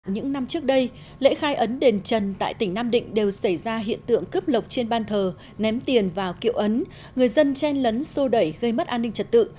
những năm trước đây lễ khai ấn đền trần tại tỉnh nam định đều xảy ra hiện tượng cướp lộc trên ban thờ ném tiền vào kiệu ấn người dân chen lấn sô đẩy gây mất an ninh trật tự